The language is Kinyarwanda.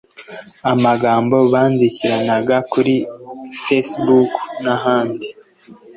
amagambo bandikiranaga kuri Facebook n’ahandi